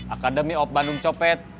akademi of bandung copet